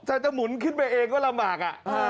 แต่จะหมุนขึ้นไปเองก็ลำบาก